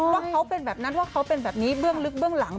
ว่าเขาเป็นแบบนั้นว่าเขาเป็นแบบนี้เบื้องลึกเบื้องหลัง